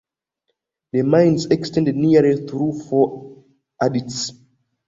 The mines extended nearly through four adits.